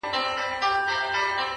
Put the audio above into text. شرمنده سو ته وا ټول عالم پر خاندي!!